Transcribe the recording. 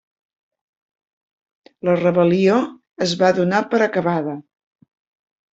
La rebel·lió es va donar per acabada.